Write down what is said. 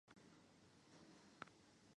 陈演是天启二年壬戌进士。